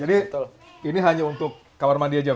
jadi ini hanya untuk kamar mandi aja pak